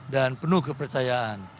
dan penuh kepercayaan